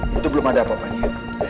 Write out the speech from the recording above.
itu belum ada apa apanya